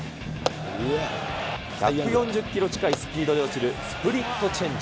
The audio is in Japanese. １４０キロ近いスピードで落ちるスプリットチェンジ。